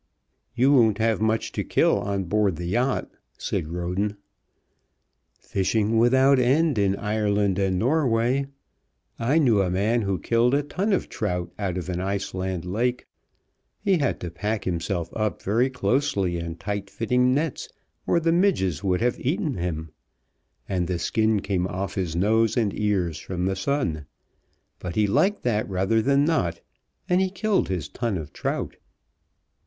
"You won't have much to kill on board the yacht," said Roden. "Fishing without end in Iceland and Norway! I knew a man who killed a ton of trout out of an Iceland lake. He had to pack himself up very closely in tight fitting nets, or the midges would have eaten him. And the skin came off his nose and ears from the sun. But he liked that rather than not, and he killed his ton of trout."